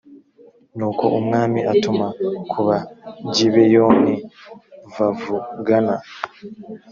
nuko umwami atuma ku bagibeyoni v avugana